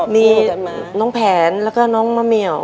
มีน้องแผนแล้วก็น้องมะเหมียว